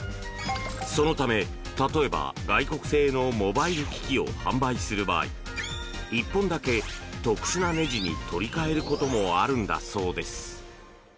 そのため、例えば外国製のモバイル機器を販売する場合１本だけ特殊なねじに取り替えることもあるんだそうです。